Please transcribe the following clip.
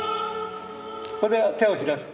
ここで手を開く。